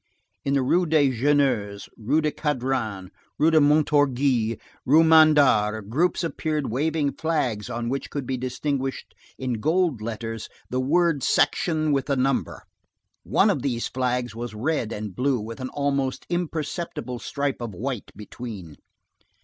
In the Rue des Jeûneurs, Rue du Cadran, Rue Montorgueil, Rue Mandar, groups appeared waving flags on which could be distinguished in gold letters, the word section with a number. One of these flags was red and blue with an almost imperceptible stripe of white between.